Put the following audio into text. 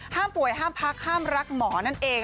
ป่วยห้ามพักห้ามรักหมอนั่นเอง